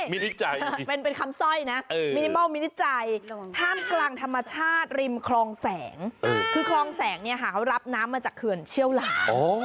มินิไจเป็นคำส้อยนะท่ามกลางธรรมชาติริมคลองแสงคือคลองแสงเขารับน้ำมาจากเขือนเชี่ยวหลาน